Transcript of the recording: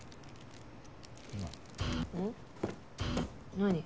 何？